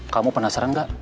kamu penasaran gak